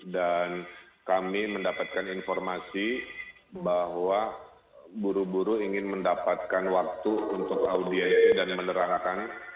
dan kami mendapatkan informasi bahwa buru buru ingin mendapatkan waktu untuk audiensi dan menerangkan